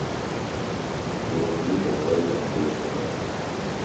They were blue for boys and pink for girls.